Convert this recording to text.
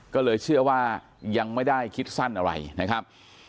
ก็เลยเชื่อว่ายังไม่ได้คิดสั้นอะไรนะครับ